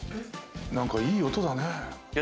何かいい音だね。